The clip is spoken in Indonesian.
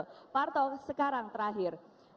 mbak arto sekarang terakhir